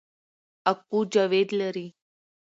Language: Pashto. اکو جاوید لري